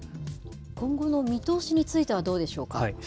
今後の見通しについてはどうでしょうか。